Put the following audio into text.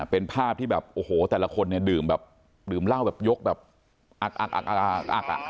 เป็นภาพที่แบบโอ้โหแต่ละคนเนี่ยดื่มแบบดื่มเหล้าแบบยกแบบอักอักอักอ่ะ